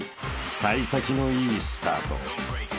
［幸先のいいスタート］